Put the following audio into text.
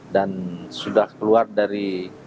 dan sudah keluar dari